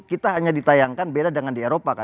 kita hanya ditayangkan beda dengan di eropa kan